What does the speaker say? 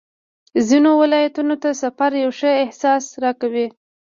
ختيځو ولایتونو ته سفر یو ښه احساس راکوي.